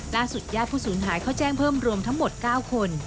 ญาติผู้สูญหายเขาแจ้งเพิ่มรวมทั้งหมด๙คน